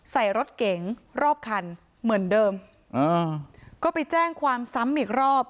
ใส่รถเก๋งรอบคันเหมือนเดิมอ่าก็ไปแจ้งความซ้ำอีกรอบ